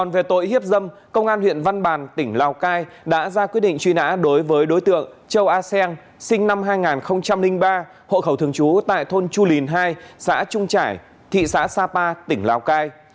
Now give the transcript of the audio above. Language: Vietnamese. về tội hiếp dâm công an huyện văn bàn tỉnh lào cai đã ra quyết định truy nã đối với đối tượng châu a seng sinh năm hai nghìn ba hộ khẩu thường trú tại thôn chu lìn hai xã trung trải thị xã sapa tỉnh lào cai